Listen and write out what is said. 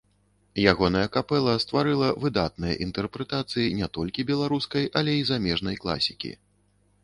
Ягоная капэла стварыла выдатныя інтэрпрэтацыі не толькі беларускай, але і замежнай класікі.